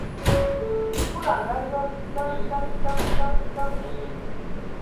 Nkul o ngaayon: Kəŋ, kəŋ, kəŋ, kəŋ, kəŋ!.